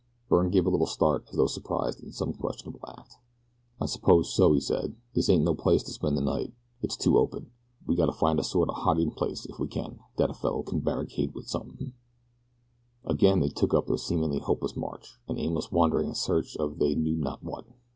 Byrne gave a little start as though surprised in some questionable act. "I suppose so," he said; "this ain't no place to spend the night it's too open. We gotta find a sort o' hiding place if we can, dat a fellow kin barricade wit something." Again they took up their seemingly hopeless march an aimless wandering in search of they knew not what.